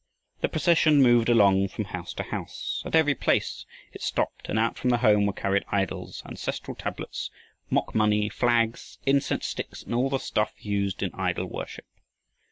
The procession moved along from house to house. At every place it stopped and out from the home were carried idols, ancestral tablets, mock money, flags, incense sticks, and all the stuff used in idol worship.